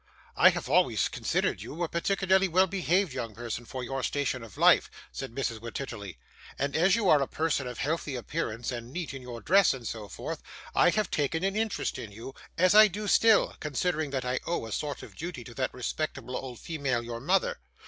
'I have always considered you a particularly well behaved young person for your station in life,' said Mrs. Wititterly; 'and as you are a person of healthy appearance, and neat in your dress and so forth, I have taken an interest in you, as I do still, considering that I owe a sort of duty to that respectable old female, your mother.